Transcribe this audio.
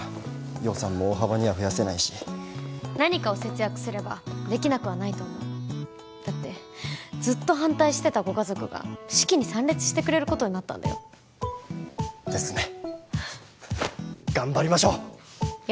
予算も大幅には増やせないし何かを節約すればできなくはないと思うだってずっと反対してたご家族が式に参列してくれることになったんだよですね頑張りましょう！